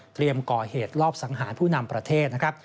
ก่อเหตุลอบสังหารผู้นำประเทศนะครับ